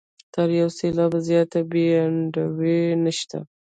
تر یو سېلاب زیاته بې انډولي نشته.